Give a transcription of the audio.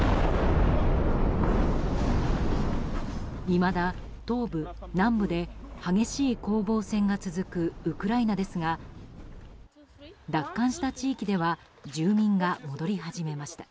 いまだ東部、南部で激しい攻防戦が続くウクライナですが奪還した地域では住民が戻り始めました。